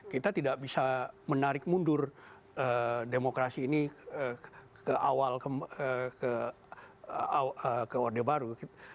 kita tidak bisa menarik mundur demokrasi ini ke awal ke orde baru